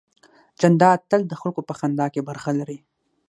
جانداد تل د خلکو په خندا کې برخه لري.